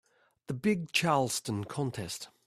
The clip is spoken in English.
The big Charleston contest.